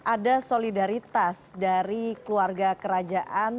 ada solidaritas dari keluarga kerajaan